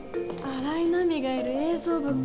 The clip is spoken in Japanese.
新井波がいる映像部か。